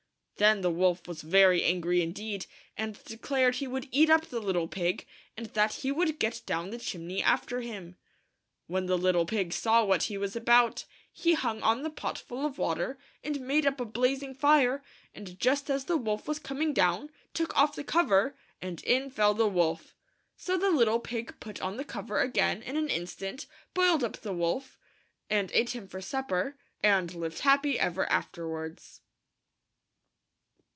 Then the wolf was very angry indeed, and declared he would eat up the little pig, and that he would get down the chimney after him. When the little pig saw what he was about, he hung on THE THREE LITTLE PIGS. ... A V. THE WOLF STARTS DOWN THE CHIMNEY. the pot full of water, and made up a blazing fire, and just as the wolf was coming down, took off the cover, and in fell the wolf! So the little pig put on the cover again in an instant, boiled up the wolf and ate him for supper, and lived happy ever afterwards.